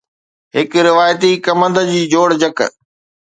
هڪ روايتي ڪمند جي جوڙجڪ